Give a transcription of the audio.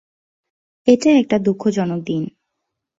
এটা একটা দু:খজনক দিন।